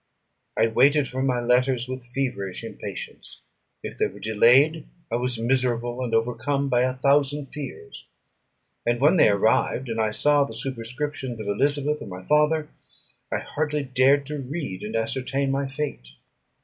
I waited for my letters with feverish impatience: if they were delayed, I was miserable, and overcome by a thousand fears; and when they arrived, and I saw the superscription of Elizabeth or my father, I hardly dared to read and ascertain my fate.